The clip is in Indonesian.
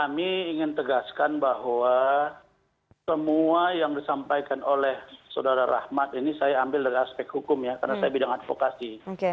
kami ingin tegaskan bahwa semua yang disampaikan oleh saudara rahmat ini saya ambil dari aspek hukum ya karena saya bidang advokasi